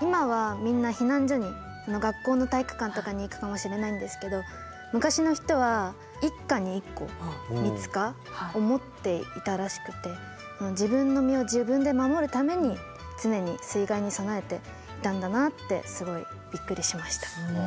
今はみんな避難所に学校の体育館とかに行くかもしれないんですけど昔の人は一家に１個水塚を持っていたらしくて自分の身を自分で守るために常に水害に備えていたんだなってすごいびっくりしました。